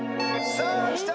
さあきた。